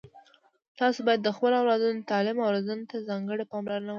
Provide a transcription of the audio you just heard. تاسو باید د خپلو اولادونو تعلیم او روزنې ته ځانګړي پاملرنه وکړئ